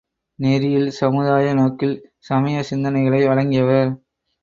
நெறியில் சமுதாய நோக்கில் சமயச் சிந்தனைகளை வழங்கியவர்.